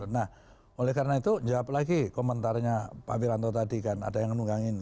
nah oleh karena itu jawab lagi komentarnya pak wiranto tadi kan ada yang menunggangin